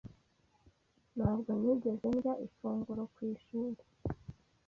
Ntabwo nigeze ndya ifunguro ku ishuri.